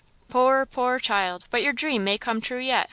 "Poor, poor child; but your dream may come true yet!"